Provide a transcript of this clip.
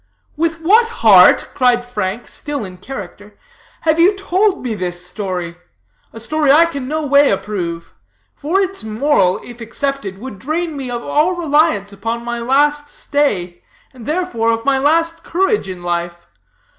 "With what heart," cried Frank, still in character, "have you told me this story? A story I can no way approve; for its moral, if accepted, would drain me of all reliance upon my last stay, and, therefore, of my last courage in life.